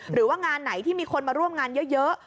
หรือว่างานไหนที่มีคนมาร่วมงานเยอะ